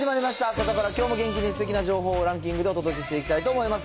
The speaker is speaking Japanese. サタプラ、きょうも元気にすてきな情報をランキングでお届けしていきたいと思います。